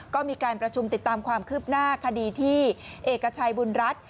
ก็มีการประชุมติดตามความคืบหน้าคดีที่เอกชัยบุญรัฐ